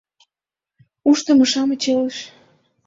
— Ушдымо-шамыч Элыш.